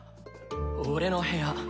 俺の部屋。